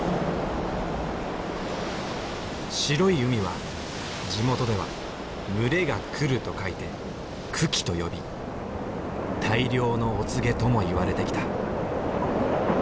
白い海は地元では群れが来ると書いて群来と呼び大漁のお告げとも言われてきた。